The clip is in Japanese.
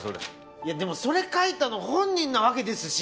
いやでもそれ描いたの本人なわけですし！